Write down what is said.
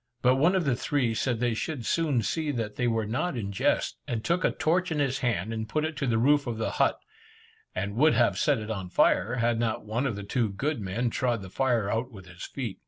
But one of the three said they should soon see that they were not in jest, and took a torch in his hand, and put it to the roof of the but, and would have set it on fire, had not one of the two good men trod the fire out with his feet.